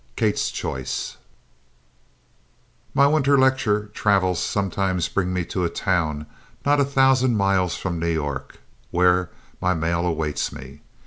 KATE'S CHOICE My winter lecture travels sometimes bring me to a town not a thousand miles from New York, where my mail awaits me.